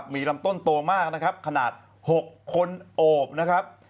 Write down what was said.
มีลำต้นโตมากขนาด๖คนโอบ